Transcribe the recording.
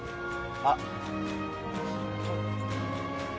あっ。